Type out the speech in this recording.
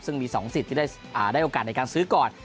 ซึ่งมี๒สิทธิ์ที่ได้โอกาสในการซื้อก่อน